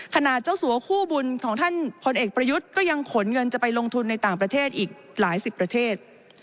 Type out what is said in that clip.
เจ้าสัวคู่บุญของท่านพลเอกประยุทธ์ก็ยังขนเงินจะไปลงทุนในต่างประเทศอีกหลายสิบประเทศ